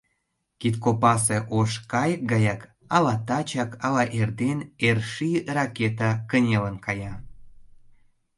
Кид копасе ош кайык гаяк, ала тачак, ала эрден эр ший ракета кынелын кая.